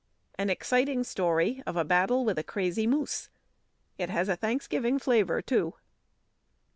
An exciting story of a battle with a crazy moose. It has a Thanksgiving flavour, too.